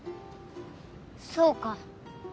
そうか。